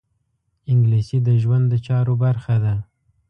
انګلیسي د ژوند د چارو برخه ده